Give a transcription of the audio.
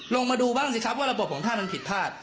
ลงมาดูบ้างสิครับว่าระบบของท่านมันผิดพลาด